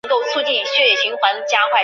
接下来近几年